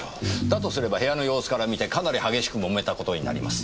だとすれば部屋の様子から見てかなり激しく揉めた事になります。